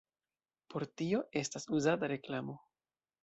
Por tio estas uzata reklamo.